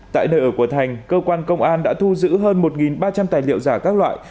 tại nơi ở của thành cơ quan công an đã thu giữ hơn một ba trăm linh tài liệu giả các loại